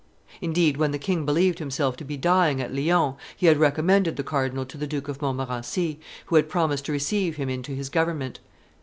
Indeed, when the king believed himself to be dying at Lyons, he had recommended the cardinal to the Duke of Montmorency, who had promised to receive him into his government.